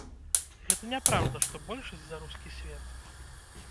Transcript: Гэта няпраўда, што большасць за рускі свет.